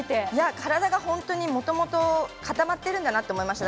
体が本当に、もともと固まってるんだなって思いました。